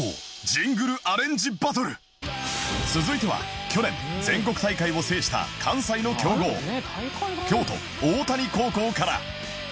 続いては去年全国大会を制した関西の強豪京都大谷高校から